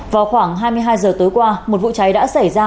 vào khoảng hai mươi hai h tối qua một vụ cháy đã xảy ra